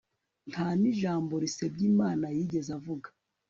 nta n'ijambo risebya imana yigeze avuga